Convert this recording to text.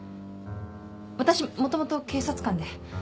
私もともと警察官で。